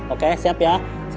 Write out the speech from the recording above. oke siap ya dua belas